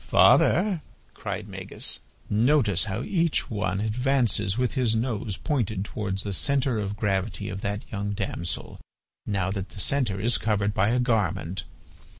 "Father," cried Magis, "notice how each one advances with his nose pointed towards the centre of gravity of that young damsel now that the centre is covered by a garment.